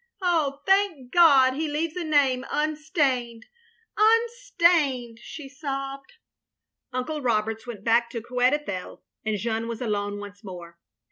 Oh thank God he leaves a name unstained — ^tinstained —" she sobbed. Uncle Roberts went back to Coed Ithel and Jeanne was alone once more.